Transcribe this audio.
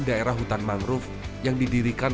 daerah hutan mangrove yang didirikan